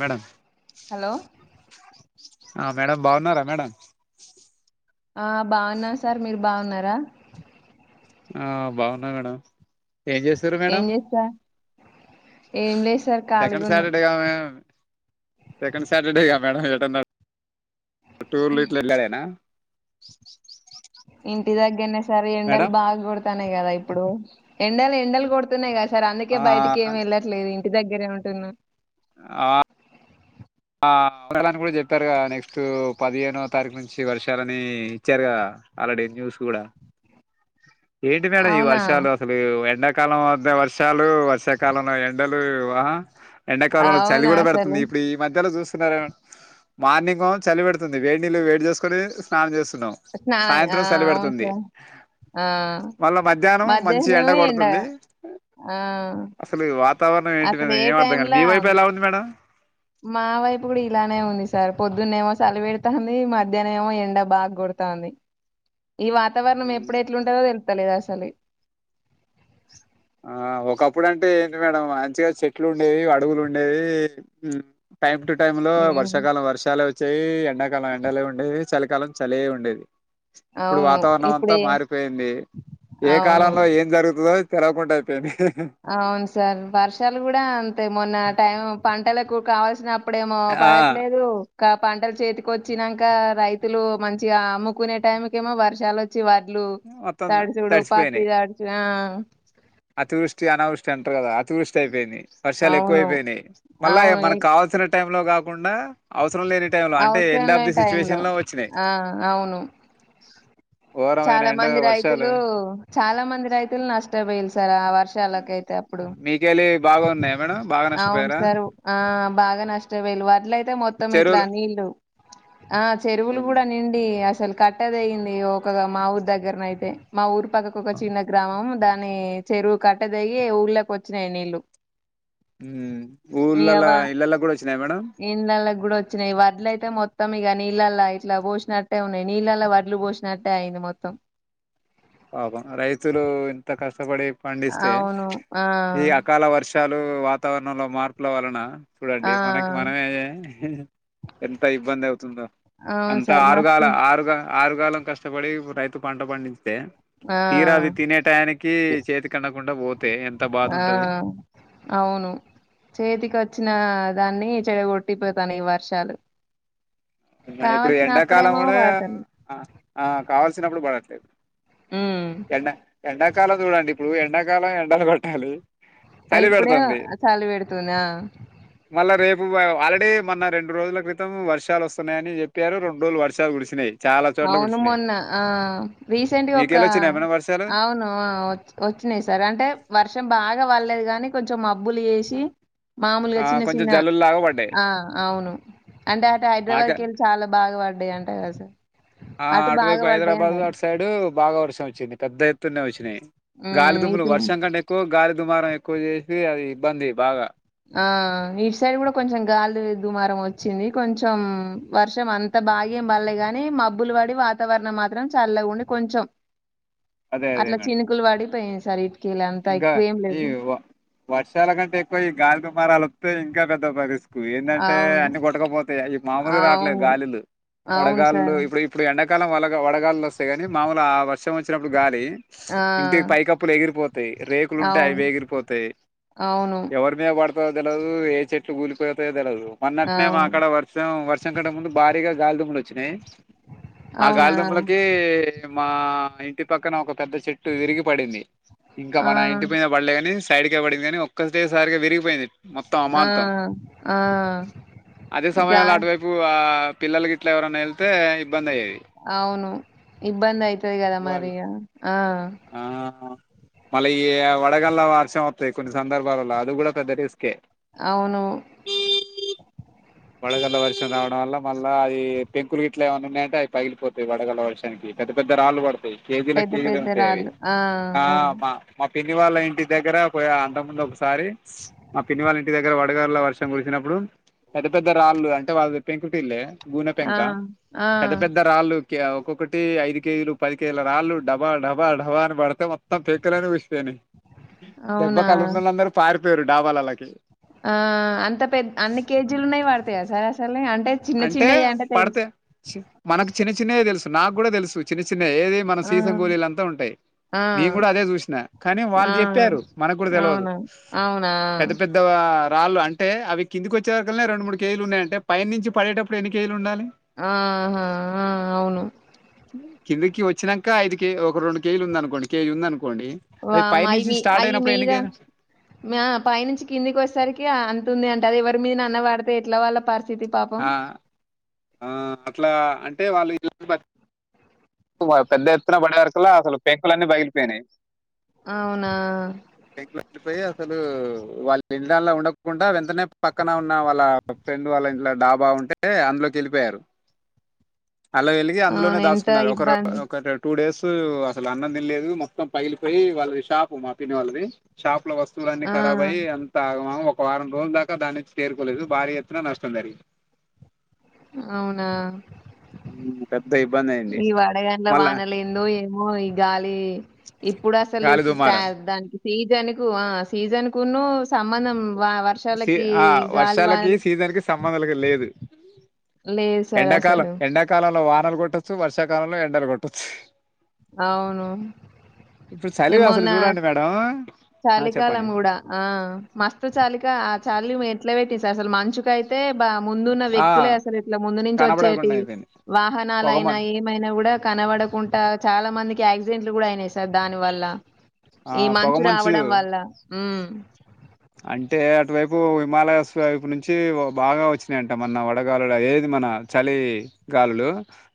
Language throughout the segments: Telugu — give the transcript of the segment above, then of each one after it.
మేడం హలో ఆ మేడం బాగున్నారా మేడం ఆ బావున్న సార్ మీరు బావున్నారా ఆ బావున్నా మేడం ఏం చేస్తారు ఏం మేడం చేస్తా ఏం లేదు సార్ సెకండ్ ఖాళీగున్నాం సాటర్డేగా మేము సెకడ్ సటర్డేగా మేడం ఎటన్న టూర్ లో ఇట్లా ఇడనా ఇంటి దగ్గరనే సార్ ఎండలు మేడం బాగా కొడతానేయి కదా ఇప్పుడు ఎండలు ఎండలు కొడుతున్నాయి సార్ అందుకే ఆ బయటకి ఏమి వెళ్లట్లేదుం ఇంటి దగ్గరే ఉంటున్నా ఆ ఆని కూడా చెప్పారు క నెక్స్ట్ పదిహేనో తారీఖు నుంచి వర్షాలని ఇచ్చారు కదా ఆల్రెడీ న్యూస్ కూడా ఏంటి మేడం ఈ అవునా వర్షాలు అసలు ఎం కాలం వద్ద వర్షాల వర్షాకాలంలో ఎండలు వా ఎండాకాలంలో చలి అవునా కూడా పెడుతుంది అసలు ఇప్పుడు ఈ మధ్యలో చూస్తు మార్నింగ్ చలి పెడుతుంది వేడి నీళ్ళు వేడి చేసుకొని స్నానం చేస్తు స్నా ఆ సాయంత్రం సల్లి అవును పెడుతుంది సార్ ఆ మళ్ళా మధ్యాహ్నం మంచి ఎండ కొడుతుంది ఆ అసలు వాతావరణం ఏంటి అసలు ఏ ఏం అర్ధం కడి టైమ్లా మీ వైపు ఎలా ఉంది మేడం మా వైపు కూడా ఇలానే ఉంది సార్ పొద్దున్న ఏమో సలివెడతంది మధ్యన ఏమో ఎండ బాగ కొడతాంది ఈ వాతావరణం ఉమ్, ఎప్పుడు ఎట్లు ఉంటందో తెలుసు తలిదాస అాలి ఆ ఒకప్పుడు అంటే ఎంది మేడం మంచిగా చెట్లు ఉండేవి అడుగు లు ఉండేవి టైమ్ టు టైమ్ లో హ్మ్ వర్షాకాలం వర్షాలు వచ్చ చేఈ ఎండాకాలం ఎండలో ఉండేవి చలికాలం చలే ఉండేది ఇప్పుడు అవును వాతావరణం అంతా ఇప్పుడే మారిపోయింది ఏ అవును కాలంలో ఏం జరుగుతాదో కరాకు [unintelligible] ట ఐపోయింది అవును సార్ వర్షాలు కూడా అంతే మొన్న టైమ్ పంటలకు కావాల్సిన అప్ ఈప్పుడేమో ఆ పడట్లేదు ఇక పంటలు చేతికి వచ్చినాక రైతులు మంచిగా అమ్ముకునే టైంకేమో వర్షాలు వచ్చి వ మొత్తం తడుచుడు కూడాడు ఉ [unintelligible] పాతి తడిచిపోయినాయి తడిన అతివృష్టి అనావృష్టి అంటారు కదా అతి వృష్టి అయిపోయింది వర్షాలు అవును. ఎక్కువయిపోయినాయి మళ్ళా అవును ఎ మనకు కావాల్సిన టైం లో కా ఇడున్న అవసరం లేని టైం లో అంటే అవసరం ఎండ్ అప్ లేని ది టైంలో సిచ్యువేషన్ లో వచ్చినాయి ఆ! అవును. ఘోరమైన చాలా ఎండ మంది వర్షాలు రైతులు చాలా మంది రైతులు నష్ట పోయిల్స్ చర ఆ వర్షాలకు అయితే అప్పుడు బాగున్నాయి అవును సార్ ఆ బాగా నష్ట వెళ్లు [unintelligible] అయితే మొత్తం ఇట్లా చెరువులు నీళ్ళు ఆ చెరువులు కూడా నిండి అసలు కట్ట తెగింది ఒకగా మా ఊరు దగ్గరన అయితే మా ఊరు ఈ పక్కకు ఒక చిన్న గ్రామం దాని అని చెరువు కట్ట తేగి ఊళ్ళొకి వచ్చినాయి నీళ్ళు హ్మ్ ఇగ ఊర్లలో వ ఇళ్లలోకి కూడా వచ్చినాయ మేడం ఇండ్లల్లకి గూడా వచ్చినయి. వడ్లయితే మొత్తం ఇక నీళ్ళలా ఇట్లా పోసినట్టే ఉంది. నీళ్ళల్లో వడ్లు పోసినట్టే అయింది మొత్తం పాపం రైతులు ఇంత కష్టపడి పండిస్తే అవును. ఆ! ఈ అకాల వర్షలు వాతావరణంలో మార్పుల వలన ఆ! చూడండి మనకి మనమే ఎ ఎంత ఇబ్బంది అవుతుందొ అవును అంత సార్. మస్తు ఆరుగాల ఆరుగా ఆరు కాలం కష్టపడి రైతు పంట పండితే ఆ! తీరా అవి తినే టానికి తి చేతికన్ దకుండా పోతే ఎంత బాధ ఆ ఉంటది అవును చేతికి వచ్చిన దాన్ని చెడు కొట్టిపోతానయి ఈ వర్షాలు మన ఇప్పుడు కావల్సిన ఎండాకాలం అప్పుడేమో కూడా పడతాను ఆ ఆ కావల్సినప్పుడు పడట్ ఉమ్ [inaudible] ఎండా ఎండా కాలం చూడండి ఇప్పుడు ఎండాకాలం ఎండలు పె ట్టాలి ఆ చలి ఇప్పుడే పెడుతఅన్ ది చలి పెడుతుందా మళ్ళా రేపు ఆల్రెడీ మొన్న రెండు రోజుల క్రితం వర్షాలు వస్ స్తున్నాయని చెప్పారు రెండు రోజులు వర్షాలు కురిసినాయి చాలా చోట్ల అవును కురిసినాయి మొన్న ఆ రీసెంట్గా ఒక మీకెళ్ళి వచ్చినాయి ఏమైనా వర్షాలు అవును వచ్చినాయి సార్ అంటే వర్షం బాగా వళ్లేదు కాగాని కొంచెం మబ్ బ్బులు వేసి మామూలుగా ఆ చిన్న కొంచెం చిన్న జల్లులు లాగా పడ్డాయి ఆ అవును అంటే అట మాకే హైదరాబాద్కిళ్ళి చాలా బాగా పడు టాయి ఆ సైడ్ ఆ అటువైపు హైదరాబాద్ అటు సైడు బాగా వర్షం వచ్చింది పెద్ద ఎత్తునే వచ్చింది ఉమ్ గాలిదుుమ్లు ఇటు వర్షం కంటే ఎక్కువ గాలిదుమ్ దుమారం ఎక్కువ చేసి అది ఇబ్బంది బాగా ఆ ఈ సైడ్ కూడా కొంచెం గాలి దుమారం వచ్చింది కొంచెం వర్షం అంత బాగేమ్ బల్లే గాని మబ్బులు పడి వాతావరణం మాత్రం చల్లగా ఉండి కొంచెం అదే అదే అట్లా మేడం చినుకులు వడిపోయాయి సరీ ఇంకా ఈ వ వర్షాల కంటే ఎక్కువ ఈ గాలి దుమారలతే ఇంకా పెద్ద పరిస్తి ఏందంటే అవును. అన్ని కొట్టకపోతాయి మాములుగ రాట్లే ద్ అవును. గాలిలు అవును వడగాలు లు సార్. ఇప్పుడు ఇప్పుడ ఎండకాలం వలగా వడగాళ్ లోస్ స్తే కాని మాముూలు ఆ వర్షం వచ్చినప్పుడు గాలి ఆ! ఇంటికి పై కప్పులు ఎగిరిపోత యి రేకులు ఉంటే అవును. అవి ఎగిరిపోతాయి అవును. ఎవరి మీద పడత తెలదు ఏ చెట్లు కూలిపోతయో తెల్వదు మొన్నట్నే మా అవును. క్కడ వర్షం వర్ం కటె ముందు భారీగా గాలిదుమ్ములు వచ్చినాయి ఆ అవునా! గాలిదుంపలకి మా ఇంటి పక్కన ఒక పెద్ద చెట్టు విరిగి పడింది ఇంకా ఆ! మన ఇంటి మీద బలే కాని సైడ్కే పడింది కానీ ఒక్కటే సారిగా విరిగిపోయింది మొత్తం ఆ! అమాంతం ఆ! అదే గా సమయంలో అటువైపు ఆ పిల్లలుగిట్లా ఎవరన్నా యె అవును ఇబ్బంది అయితది కదా వాళ్ళు మరిగా ఆ మళ్ళ ఈ వడగండ్ల వర్షం వతయ్ కొన్ని సందర్భాలలొ అది కూడా పెద్ద రిస్ అవును వడగండ్ల వర్షం రావడం వల్ల మళ్ళ ఈ పెంకులు గిట్లా ఏమన్నా ఉన్నాయంటే అయి పగిలిపోతాయి వడగండ్ల వర్షానికి పెద్ద పెద్ద రాళ్ళు పడతాయ్ కేజీలకి పెద్ద కేజీలే పెద్ద ఉంటయి అవి రాళ్ళు. ఆ అవును. మా మా పిన్ని పిన్నివాళ్ళ ఇంటి దగ్గర అంతకు ముందు ఒకసారి మా పిన్నివాళ్ళ ఇంటి దగ్గర వడగండ్ల వర్షం కురిసినప్పుడు పెద్ద పెద్ద రాళ్ళు అంటే వాళ్ళది పెంకుటిళ్ళే గూనె ఆ! పెంక ఆ! పెద్ద పెద్ద రాళ్ళు ఒక్కొక్కటి ఐదు కేజీలు పది కేజీల రాళ్ళు డబా డబా డబా అని పడితే మొత్తం పెకలని ఊసిపొయ్నయ్ అవునా! దెబ్బకి ఆడునోళ్ళందరు పారి డాబాలలోకి ఉమ్ ఉన్నయ్ పడతయా సార్ అసలు అంటే పడతయ్ మనకు చిన్న చిన్నయే తెలుసు నాకు కూడా తెలుసు చిన్న చిన్న ఏది మన ఆ! సీసం గోలీలంతా ఉంటయ్. ఆ! నేను కూడా అదే చూసినా కానీ ఆ! వాళ్ళు చెప్పారు మనకు కూడా తెలివదు అవునా! అవునా! పెద్ద పెద్ద రాళ్ళు అంటే అవి కిందికి వచ్చే వరకన్లే రెండు మూడు కేజీలున్నాయంటే పైన్ నుంచి పడేటప్పుడు ఎన్ని కేజీలు ఉండాలి ఆహా ఆ అవును కిందకి వచ్చానక ఐదు ఒక రెండు కేజీలు ఉందనుకోండి కేజీ ఉందనుకో వామో అయి మీ అయి ఎన్ని మీద కేజీలు మా పైనుంచి కిందికి వచేసరికి అంతుంది అంటే అది ఎవ రిమీద నన్న పడితే ఎట్లా వారు పరి స్థితి పాపం ఆ ఆ అట్లా అంటే వాళ్ళు [unintelligible] పెద్ద ఎత్తున పడే వరకలా అసలు పెంకులన్నీ పగిలిపోయినయ్ అవునా లో వెళ్ళిపోయి అసలు వాళ్ళ ఇళ్ళలో ఉండకుండా, వెంటనే పక్కన ఉన్న వాళ్ళ ఫ్రెండ్ వాళ్ళ ఇంట్లో డాబా ఉంటే అందులోకి యెళ్ళిపోయారు. అలా యెలిగి అందులోనే అవును. ఎంత దాసు నరు ఒకరు ఇబ్బంది. ఒకటి టూ డేసూ అసలు అన్నందినలేదు మొత్తం పగిలిపోయి వాళ్ళది షాప్ మా పిన్ని వాళ్ళది షాప్ లో వస్త వులన్ని ఆ! ఖరాబ్ అయి అంతా ఆగం ఆగం ఒక వారం రోజుల దాకా దాన్ని నుంచి తేరుకోలేదు భారీ ఎత్తున నష్టం జరిగింది అవునా ఉమ్, పెద్ద ఇబ్బంది అయింది ఈ మళ్ళా వాడగండ్లవానలేందో ఏమో ఈ గాలి ఇప్పుడు అసలు గాలి దుమారం దానికి సీజన్ కు హ సీజన్ కును సంబంధం వ సి వర్షాలకి, ఆ గాలి వర్షాలకి వానలకి సీజన్ కి సం మ్మందులకి లేదు లేదు సార్ ఎండాకాలం అసలు. ఎండాకాలంలో వానలు కొట్టొచ్చు వర్షాకాలంలో ఎం డలు కొట్టొచ్చు అవును ఇప్పుడు చలివి అసలు ఏమొన్న చూడండి మేడం ఆ చెప్పండి చలికాలం కూడా ఆ మస్తు చలికా ఆ చాలి మే ఎట్లా పెట్టింది సార్ అసలు మంచుకైతే ప ముందున్న ఆ వ్యక్తులే అసలు ఇట్లా ముందు నుంచి కనబడకుండా వచ్చేటి అయిపోయింది వాహనాలయినా పొగమంచు ఏమైనా కూడా కనబడకుంటా చాలా మందికి యాక్సిడెంట్లు కూడా అయినాయి సార్ దాని వల్ల ఆ ఈ మంచు పొగమంచు రావడం వల్ల హు అ అంటే అటువైపు హిమాలయస్ వైపు నుంచి బాగా వచ్చినాయంట మొన్న వడగాలులు ఏది మన చలి గాలులు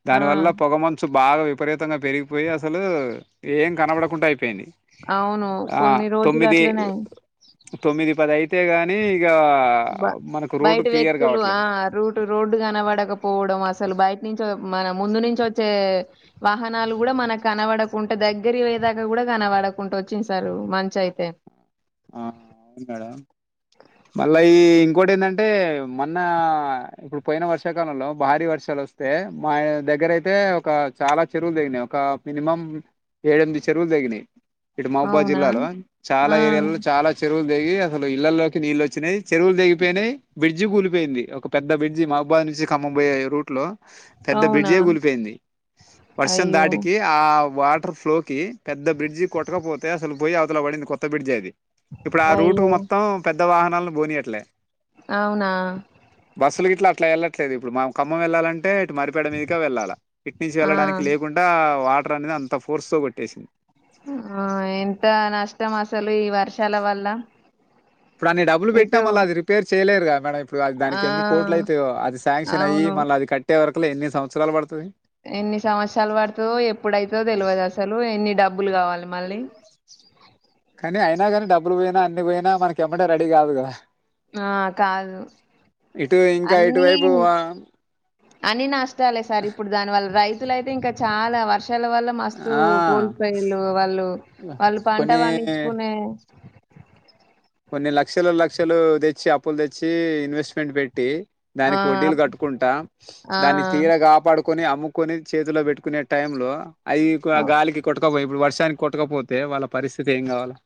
దాని ఆ! వల్ల పొగ మంచు బాగా విపరీతంగా పెరిగిపోయి అసలు ఏం కనబడకుండా అయిపోయింది అవును. ఆ కొన్ని రోజులు తొమ్మిది అట్లనే తొమ్మిది పది అయితే గాని ఇక బ మనకు రోడ్డు బయట క్లియర్ వ్యక్తులు ఆ కావట్లేదు రూట్ రోడ్డు కనబడకపోవడం అసలు బయ నుంచో మన ముందు నుంచి వచ్చే వాహనాలు కూడా మన కనపడకుంటే దగ్గర వయ్యేదాకా కూడా కనవడకుంట వచ్చింది సార్ మంచు అయితే ఆ అవును మేడం మళ్ళా ఈ ఇంకోటి ఏందంటే మొన్న ఇప్పుడు పోయిన వర్షాకాలంలో భారీ వర్షాలు వస్తే మా దగ్గరయితే ఒక చాలా చెరువులు తిగినాయి ఒక మినిమం ఏడెనిమిది చెరువులు తగినాయి ఇటు మౌబాద్ అవునా జిల్లాలో చాలా ఆ ఏరియాలలో చెరువులు తెిగి అసలు ఇళ్లల్లోకి నీళ్ళు వచ్చినాయి చెరువులు తెగిపోయినాయి బ్రిడ్జ్ కూలిపోయింది ఒక పెద్ద బ్రిడ్జి మౌబాద్ నుంచి ఖమ్మం పొయ్యే రూట్ లో పెద్ద అవునా బిడ్జే ఎ కూలిపోయింది వర్షం అయ్యో దాటికి ఆ వాటర్ ఫ్లోకి పెద్ద బ్రిడ్జి కొట్టకపోతే అసలు పోయి అవుతల పడింది కొత్త బ్రిడ్జ్ ఏ అది ఇప్పుడు ఆ రూటు అయ్యో మొత్తం పె ద్ద వాహనాలను పోనినీయట్లే అవునా బస్సులు గిట్లా అట్లా వెళ్లట్లేదు ఇప్పుడు మా ఖమ్మం వెళ్ళలంటే ఇటు మరిపేడ మీదుగా వెళ్ళాల ఇట్ నుంచి ఆ వెళ్ళడానికి లేకుంటా వా టర్ అనేది అంత ఫోర్స్ తో కొట్టేసింది ఆ ఎంత న ష్టం అసలు ఈ వర్షాల వల్ల డు అన్ని డబ్లు పెట్టాం ఇటు అ రిపే చేలేరుగా మేడం ఇప్పుడు అది దానికి ఆ ఎన్ని కోట్ అయితాోఅది శాంక్షన్ అయ్యి అవును మళ్ళ అది కట్టేవర ఎన్ని సంవత్సలు పడు ఎన్ని సంవత్సరాలు పడుతుందో ఎప్పుడైతుందో తెలియదు అసలు ఎన్ని డబ్బు డబ్బులు కావాలి మళ్ళీ కానీ అయినా కానీ డబ్బులు పోయినా అన్ని పోయినా మనకి ఇమ్మంటే రెడీ కాదు కదా ఆ కాదు ఇటు ఇంకా అన్ని ఇటువైపు ఆ, అన్ని నష్టాలే సార్ ఇప్పుడు దానివల్ల రైతు అయితే ఇంకా చాలా వర్ష క్షాల వల్ల మస్తు ఆ, కూలిపాయలు వాళ్ళు వాళ్ళు పంట కొన్ని పండించుకునే కొన్ని లక్షలు లక్షలు తెచ్చి అప్పులు తెచ్చి ఇన్వెస్ట్మెంట్ పెట్టి ఆ దానికి వడ్డీలు కట్టుకుంటా ఆ దాన్ని తీర కాపాడుకు కని అమ్ముకొని చేతిలో పెట్టుకునే టైమ్ లో అది గాలికి కొట్టుకపోయి ఇప్పుడు వర్ష న కొట్టకపోతే వాళ్ళ పరిస్థితి ఏం కావాలా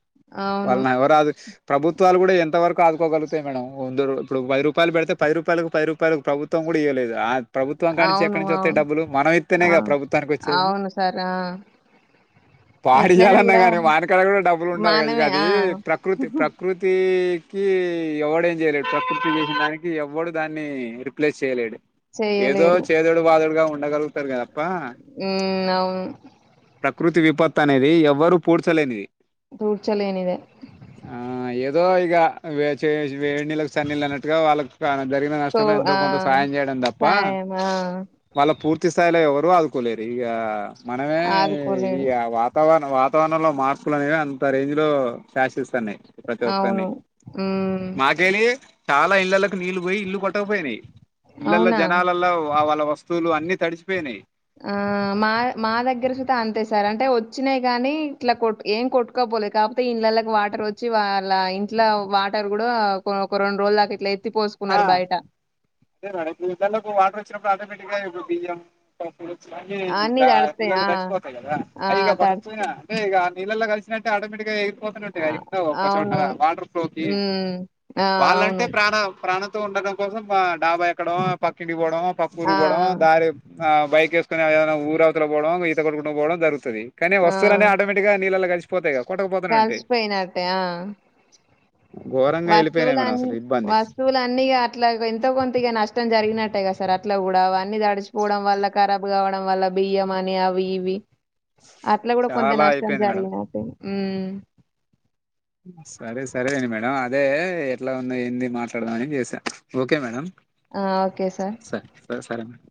అవును వర్ వ అదు ప్రభుత్వాలు కూడా ఎంతవరకు ఆదుకోగలుగుతాయి మేడం వంద ఇప్పుడు పై రూపాయలు పెడితే పది రూపాయలకు పది రూపాయలకు ప్రుత్వం కూడా ఇవ్వలేదు ప్రభుత్వం కా ను అవును ఎక్కడి నుంచి వస్తే అవును డబ్బులు మనం ఇతేనే ఆ ప్రభుత్వానికి వచ్చేది అవును సార్ ఆ ఎట్లయినా పాడియాలన్నా కూడా కానీ వానకడ కూడా డబ్బులు ఉండాలి ఇక మనమే అది ఆ ప్రకృతి ప్రకృ క ఎవడ ఏం చేయలేడు ప్రకృతి చేసిన దానికి ఎవ్వడు దాన్ని రిప్లేస్ చేయలేడు ఏదో చేయలేరు చేదడు బాధుడుగా ఉంట నాలుగల్కస్తరుకధ ఉ అవున ప్రకృతి విపత్ అనేది ఎవ్వరుూ పూడ్చలేనిది దూడ్చాల ఏనద ఆ ఏదో ఇక వ వే నీళ్కి సన్నీళ్ళు అన్నట్టుగా వాళ్ళకి జరిగిన తో నష్టంలో ఆ ఎంతో కొంత సాయం చేయడం తప్ప సాయం ఆ వాళ్ళ పూర్తి స్థాయిలో ఎవ పర్వాదు కూలే ర ఈ మనమే ఈ ఆదుకోలేడు వాతావరణం వాతావరణ లో మార్పులు అనేవి అంత రేంజ్ లో శాసిస్తున్నాయి ఇ ప్రతి అవును ఒక్కని మ్మ్ మా గలి చాలా ఇళ్ళలకు నీళ్ళు పోయి ఇల్లు కొట్టకపోయినాయి పిల్లల్లో అవునా జనాలలో వా వాళ్ళ వస్తువులు అన్ని తడిచిపోయినాయి ఆ మా మా దగ్గర సతే అంతే సార్ అంటే వచ్చినాయి కాని ఇట్లా కొట్ ఏం కొట్టుకోపోలేదు కాకపోతే ఇంళ్ళకి వాటర్ వచ్చి వాళ్ళ ఇంట్లో వాటర్ కూడా ఒక రెండు రోజులు దకా ఇట్లా ఎత్తి ఆ పోసుకున్నారు బయట అదే మీ కాళ్ళకు వాటర్ వచ్చ అటోమెటిక్ ఈ అన్ని ఇగ తడితాయి నీలల్లో ఆ కలిసిపోతది కదా ఆ అది తడుచు టే ఆటోమేటిక్ గా పోతుంటే ఆ ఎందో ఒకచోట అవును వాటర్ ప్రూఫ్కి మ్మ్ ఆ వాళ్ళంటే అవును ప్రాణ ఉండటడం కోసం డాబా ఎక్కడం పక్కింటికి పో ఆ ఆ పక్కూరికి పోడం దారి ఆ బైకేస్ ఏనా ఊరు అవతు పోవడం ఈత కొడుకుంట పోవడం జరుగుతుంది కానీ ఆ, వస్తువులనే ఆటోమేటిక్గా నీళ్ళలో కలి పోతేగా కలిసిపోయినట్టే ఆ ఘోరంగా వెళ్ళిపోయినాయి మేడం వస్తువులని అసలు ఇబ్బంది వస్తువులని అన్నిగా అట్లా ఎంత కొంతగా నష్టం జరిగినట్టు అట్టే కద సార్ అట్లా కూడా అ అన్ని తడిచిపోవడం వల్ల కఖరాబ్ కావడం వల్ల బియ్యం అని అవి ఇవి అట్లా కూడా కొంత చాలా నష్టం అయిపోయింది మేడం జరిగిన హుమ్ సరే సరే అం మేడం అదే ఎట్లా ఉంది ఏంది మాట్లాడదామని చేసా ఓకే మేడం ఆ ఓకే సార్ సరే స సరే అ